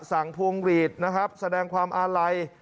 พวงหลีดนะครับแสดงความอาลัย